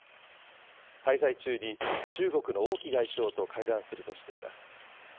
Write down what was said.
滞在中に中国の王毅外相と会談するとしています。